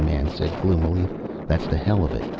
man said gloomily. "That's the hell of it.